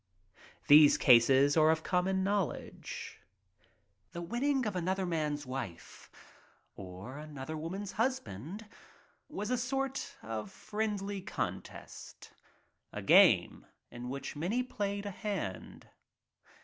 These cases are of common knowl edge. The winning of another man's wife or another woman's husband was a sort of friendly contest. A game in which many played a hand.